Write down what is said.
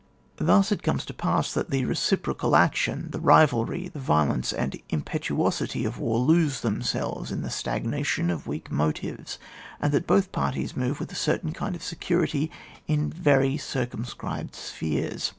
Thus it comes to pass that the recipro cal action, the rivalry, the violence and impetuosity of war lose themselves in the stagnation of weak motives, and that both parties move with a certein kind of security in very circumscribed spheres.